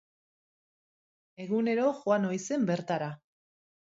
Egunero joan ohi zen bertara.